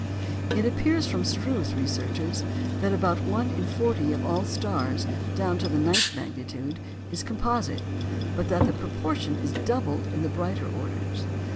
It appears from Struve's researches that about one in forty of all stars down to the ninth magnitude is composite, but that the proportion is doubled in the brighter orders.